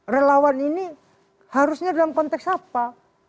relawan ini harusnya dalam konteks apa